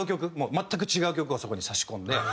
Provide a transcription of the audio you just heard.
全く違う曲をそこに差し込んで。